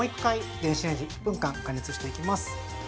電子レンジ１分間、加熱していきます。